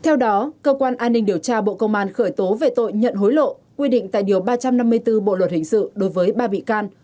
theo đó cơ quan an ninh điều tra bộ công an khởi tố về tội nhận hối lộ quy định tại điều ba trăm năm mươi bốn bộ luật hình sự đối với ba bị can